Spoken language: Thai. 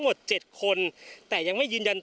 พร้อมด้วยผลตำรวจเอกนรัฐสวิตนันอธิบดีกรมราชทัน